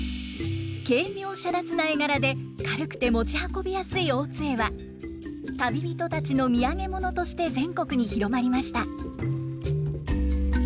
軽妙洒脱な絵柄で軽くて持ち運びやすい大津絵は旅人たちの土産物として全国に広まりました。